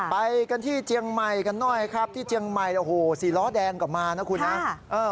ไปกันที่เจียงมัยกันหน่อยครับที่เจียงมัยโอ้โหสี่ล้อแดงกลับมาน่ะครับ